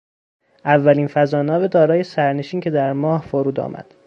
اولین فضاناو دارای سرنشین که در ماه فرود آمد